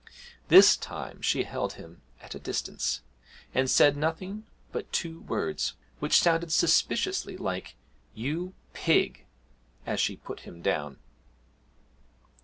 This time she held him at a distance, and said nothing but two words, which sounded suspiciously like 'You pig!' as she put him down.